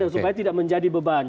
supaya tidak menjadi beban